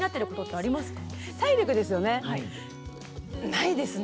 ないですね。